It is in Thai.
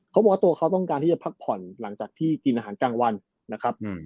เขาบอกว่าตัวเขาต้องการที่จะพักผ่อนหลังจากที่กินอาหารกลางวันนะครับ